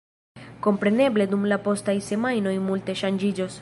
Kompreneble dum la postaj semajnoj multe ŝanĝiĝos.